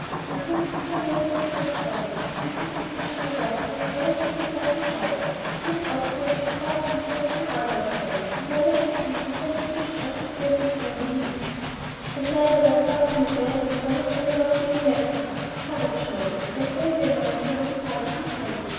"There seem to be so many different kinds. Mrs. Page and her daughter are not a bit like each other, and Miss Opdyke is quite different from either of them, and none of the three resembles Mrs. Geoffrey Templestowe in the least." "And neither does Buffalo Bill and your phrenological lecturer. Courage, Moggy. I told you America was a sizable place.